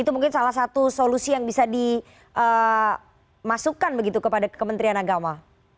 itu mungkin salah satu solusi yang bisa dimasukkan begitu kepada kementerian agama